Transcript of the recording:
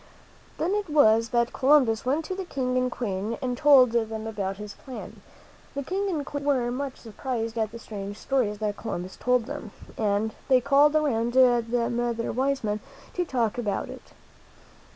Then it was that Columbus went to the King and Queen and told them about his plan. The King and Queen were much surprised at the strange stories that Columbus told them, and they called around them their wise men to talk about it.